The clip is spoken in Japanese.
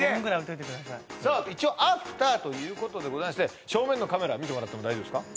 さあ一応アフターということでございまして正面のカメラ見てもらっても大丈夫ですか？